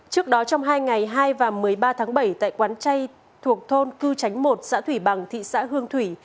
trước đó trong hai ngày hai và một mươi ba tháng bảy tại quán chay thuộc thôn cư tránh một xã thủy bằng thị xã hương thủy